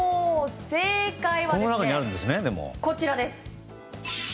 正解は、こちらです。